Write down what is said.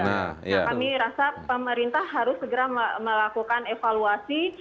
nah kami rasa pemerintah harus segera melakukan evaluasi